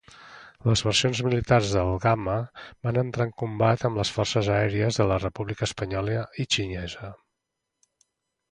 Les versions militars del Gamma van entrar en combat amb les forces aèries de la República Espanyola i Xinesa.